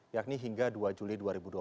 yakni hingga dua juli dua ribu dua puluh